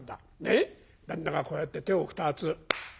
旦那がこうやって手を２つ。